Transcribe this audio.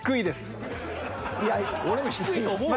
俺も低いと思うよ。